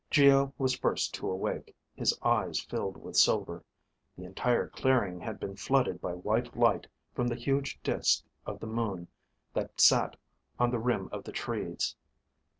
Geo was first to awake, his eyes filled with silver. The entire clearing had been flooded by white light from the huge disk of the moon that sat on the rim of the trees.